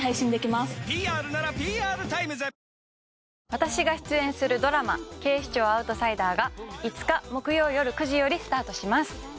私が出演するドラマ『警視庁アウトサイダー』が５日木曜よる９時よりスタートします。